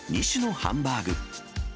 ２種のハンバーグ。